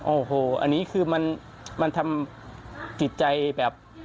โอ้โหอันนี้คือมันทำจิตใจแบบ